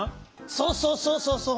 そうそうそうそうそう。